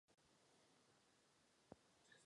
Obvykle jejich prodej začíná již v dubnu.